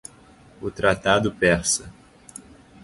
O Tratado Persa